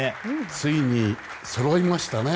ついにそろいましたね。